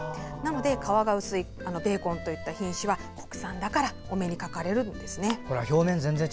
皮が薄いベーコンといった品種は国産だからこそお目にかかれるんです。